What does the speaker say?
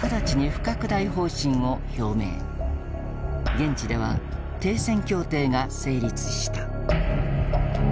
現地では停戦協定が成立した。